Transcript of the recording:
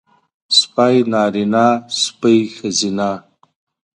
سپی نارينه سپۍ ښځينۀ